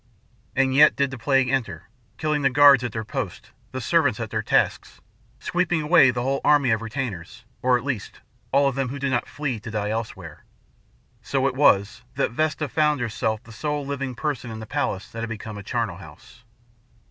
And yet did the plague enter, killing the guards at their posts, the servants at their tasks, sweeping away the whole army of retainers or, at least, all of them who did not flee to die elsewhere. So it was that Vesta found herself the sole living person in the palace that had become a charnel house.